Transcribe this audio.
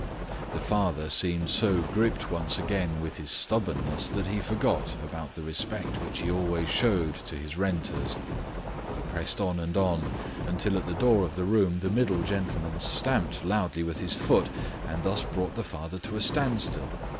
The father seemed so gripped once again with his stubbornness that he forgot about the respect which he always owed to his renters. He pressed on and on, until at the door of the room the middle gentleman stamped loudly with his foot and thus brought the father to a standstill.